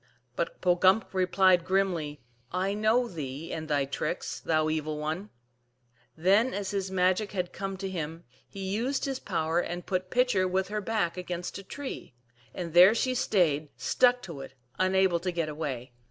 But Pogumk replied grimly, " I know thee and thy tricks, thou the evil one." Then, as his magic had come to him, he used his power, and put Pitcher with her back against a tree ; and there she stayed, stuck to it, unable to get away.